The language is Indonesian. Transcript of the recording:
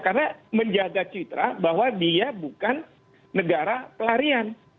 karena menjaga citra bahwa dia bukan negara pelarian